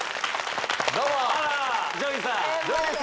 どうもＪＯＹです